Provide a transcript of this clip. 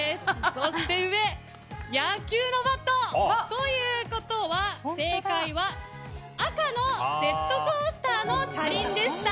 そして上、野球のバット。ということは、正解は赤のジェットコースターの車輪でした。